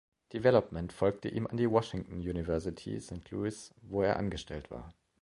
Development folgte ihm an die Washington University, Saint Louis, wo er angestellt war.